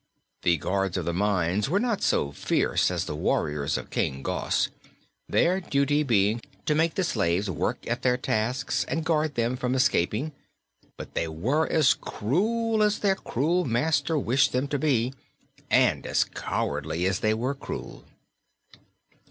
The guards of the mines were not so fierce as the warriors of King Gos, their duty being to make the slaves work at their tasks and guard them from escaping; but they were as cruel as their cruel master wished them to be, and as cowardly as they were cruel.